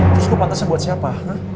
terus lo pantesnya buat siapa